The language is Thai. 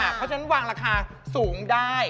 เพราะฉะนั้นวางราคาสูงได้